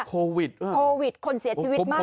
โควิดคนเสียชีวิตมากขึ้น